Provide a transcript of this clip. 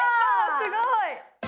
すごい！